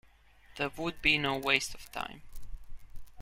There would be no waste of time.